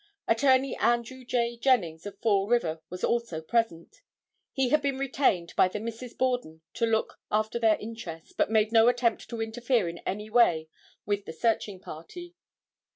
Attorney Andrew J. Jennings of Fall River, was also present. He had been retained by the Misses Borden to look after their interests, but made no attempt to interfere in any way with the searching party.